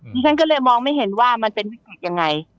ฉันก็เลยมองไม่เห็นว่ามันเป็นวิกฤตยังไง